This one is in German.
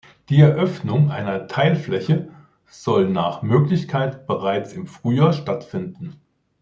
Die Eröffnung einer Teilfläche soll nach Möglichkeit bereits im Frühjahr stattfinden.